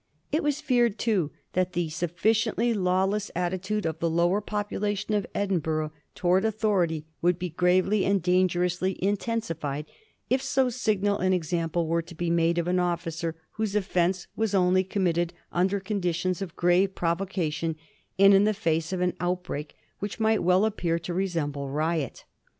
It was feared, too, that the sufiiciently lawless attitude of the lower population of £d inburgh towards authority would be graVely and danger ously intensified if so signal an example were to be made of an officer whose offence was only committed under conditions of grave provocation and in the face of an out break which might well appear to resemble riot.